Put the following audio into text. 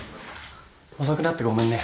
遅くなってごめんね。